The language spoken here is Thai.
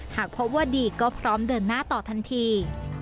หากพบว่าดีก็พร้อมเดินหน้าต่อทันที